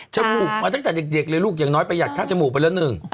จมูกมาตั้งแต่เด็กเลยลูกอย่างน้อยประหยัดข้างจมูกไปแล้วหนึ่ง